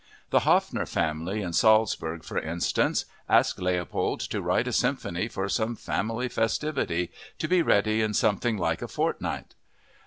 The Haffner family in Salzburg, for instance, asked Leopold to write a symphony for some family festivity, to be ready in something like a fortnight!